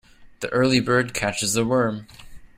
The early bird catches the worm.